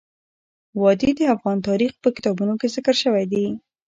وادي د افغان تاریخ په کتابونو کې ذکر شوی دي.